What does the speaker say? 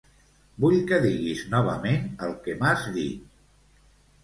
Vull que diguis novament el que m'has dit.